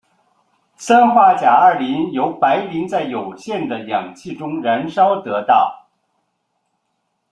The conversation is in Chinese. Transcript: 三氧化二磷由白磷在有限的氧气中燃烧得到。